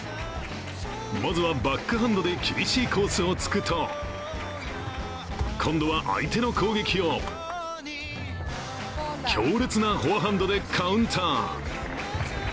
まずはバックハンドで厳しいコースを突くと、今度は相手の攻撃を強烈なフォアハンドでカウンター。